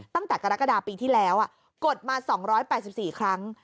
ตั้งแต่กรกฎาปีที่แล้วกดมา๒๘๔ครั้ง